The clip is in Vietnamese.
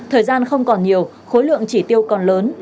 thời gian không còn nhiều khối lượng chỉ tiêu còn lớn